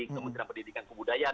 kementerian pendidikan dan kebudayaan